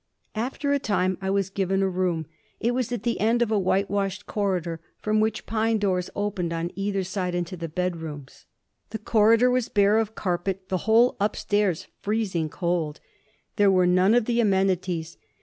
After a time I was given a room. It was at the end of a whitewashed corridor, from which pine doors opened on either side into bedrooms. The corridor was bare of carpet, the whole upstairs freezing cold. There were none of the amenities.